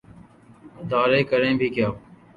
ادارے کریں بھی کیا۔